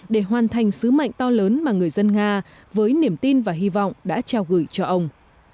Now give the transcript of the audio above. để hoàn thành sứ mệnh to lớn mà người dân nga với niềm tin và hy vọng đã trao gửi cho ông